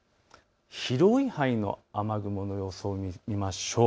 広い範囲の雨雲の予想を見ましょう。